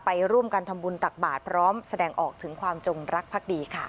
ไปร่วมกันทำบุญตักบาทพร้อมแสดงออกถึงความจงรักภักดีค่ะ